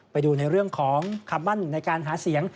ไปดูในเรื่องของคำมั่นในการหาเสียง